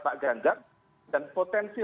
pak gandak dan potensi